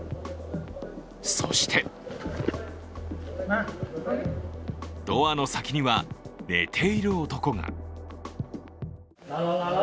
そしてドアの先には、寝ている男が。